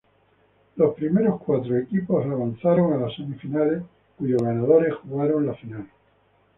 Los primeros cuatro equipos avanzaron a las semifinales, cuyos ganadores jugaron la final.